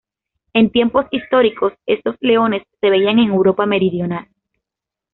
En tiempos históricos, estos leones se veían en Europa meridional.